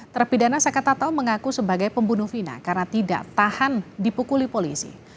terpidana sakato mengaku sebagai pembunuh vina karena tidak tahan dipukuli polisi